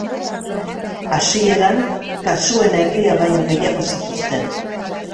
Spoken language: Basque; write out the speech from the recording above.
Hasieran, kasuen erdia baino gehiago zituzten.